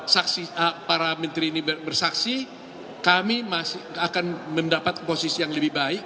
saksi para menteri ini bersaksi kami akan mendapat posisi yang lebih baik